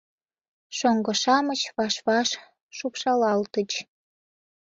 Шоҥго-шамыч ваш-ваш шупшалалтыч.